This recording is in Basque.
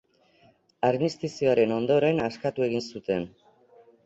Armistizioaren ondoren, askatu egin zuten.